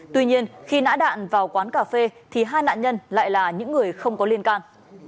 tuy nhiên khi nã đạn vào quán cà phê thì hai nạn nhân lại là những người không có liên can